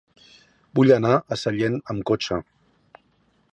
Vull anar a Sellent amb cotxe.